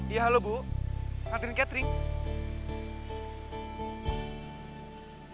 iya halo bu anterin catering